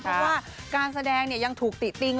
เพราะว่าการแสดงยังถูกติติง